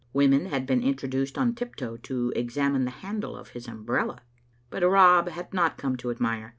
Women had been introduced on tiptoe to examine the handle of his umbrella. But Rob had not come to admire.